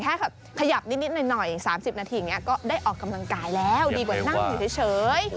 แต่แค่ขยับนิดนิดหน่อย๓๐นาทีก็ได้ออกกำลังกายแล้วดีกว่านั่งอยู่เฉย